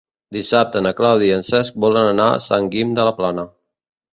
Dissabte na Clàudia i en Cesc volen anar a Sant Guim de la Plana.